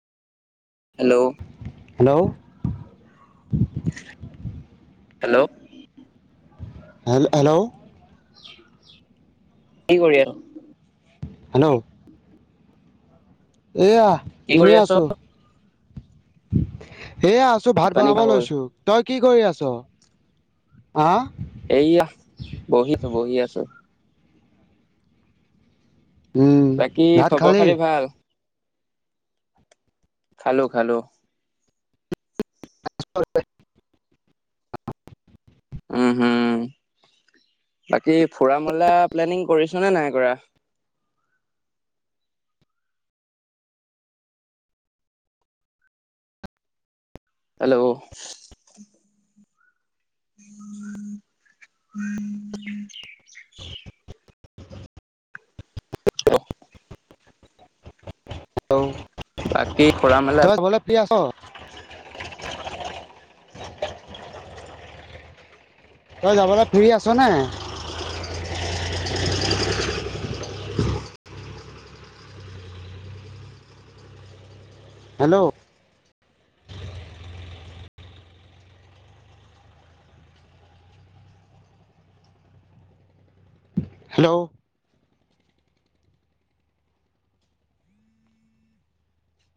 Hello, hello hello, hello hello, কি কৰি আছ? হেল্ল', এয়া কি কৰি এনেই আছ আছো। এয়া আছ ভাত পানী বনাব খোৱা হ'ল লৈছো তই কি কৰি আছ আহ? এইয়া বহিছো বহি আছো। উম, বাকী ভাত খবৰ খালি? খাতি ভাল খালো-খালো উম, হম বাকী ফুৰা মেলা প্লেনিং কৰিছ নে নাই কৰা? হেল্ল', [unintelligible] অহ, ঔ, বাকী ফুৰা মেলা তই যাবলে ফ্ৰী আছ? [inaudible] তই যাবলৈ ফ্ৰী আছ নাই? Hello, hello,